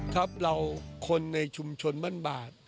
ครับเราคนในชุมชนบ้านบาด